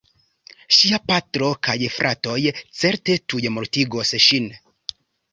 Ŝia patro kaj fratoj certe tuj mortigos ŝin.